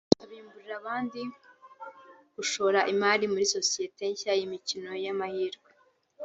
abimburira abandi gushora imari muri sosiyete nshya y’imikino y’amahirwe